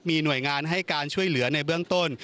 มีหน่วยงานให้การช่วยเหลือในเบื้องต้น